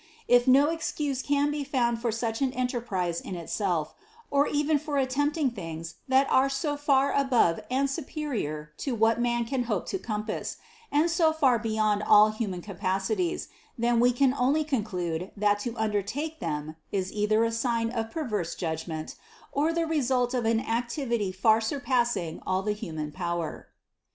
If no excuse can be found for such an enterprise in itself, or even for at tempting things that are so far above and superior to what man can hope to compass, and so far beyond all human capacities, then we can only conclude that to un dertake them is either a sign of perverse judgment or the result of an activity far surpassing all the human power.